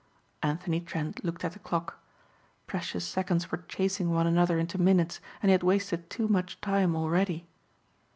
Anthony Trent looked at the clock. Precious seconds were chasing one another into minutes and he had wasted too much time already.